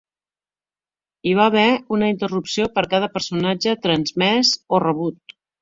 Hi va haver una interrupció per cada personatge transmès o rebut.